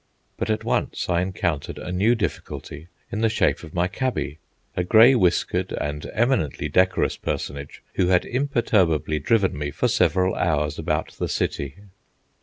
But at once I encountered a new difficulty in the shape of my cabby, a grey whiskered and eminently decorous personage who had imperturbably driven me for several hours about the "City."